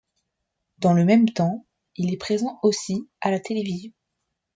Dans le même temps, il est présent aussi à la télévision.